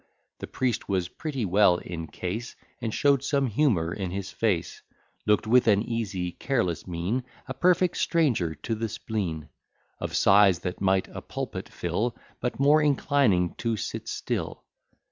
The priest was pretty well in case, And show'd some humour in his face; Look'd with an easy, careless mien, A perfect stranger to the spleen; Of size that might a pulpit fill, But more inclining to sit still.